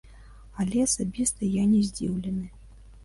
Але асабіста я не здзіўлены.